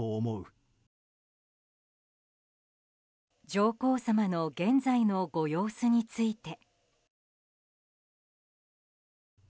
上皇さまの現在のご様子について。